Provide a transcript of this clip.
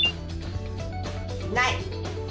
ない。